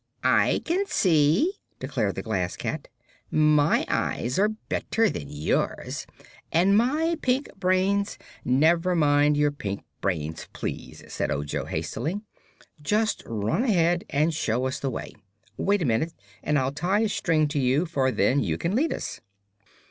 "I can see," declared the Glass Cat. "My eyes are better than yours, and my pink brains " "Never mind your pink brains, please," said Ojo hastily; "just run ahead and show us the way. Wait a minute and I'll tie a string to you; for then you can lead us."